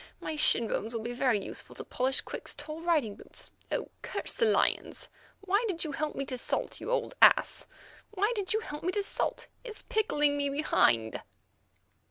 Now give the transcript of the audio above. My shin bones will be very useful to polish Quick's tall riding boots. Oh! curse the lions. Why did you help me to salt, you old ass; why did you help me to salt? It's pickling me behind."